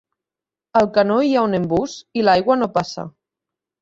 Al canó hi ha un embús i l'aigua no passa.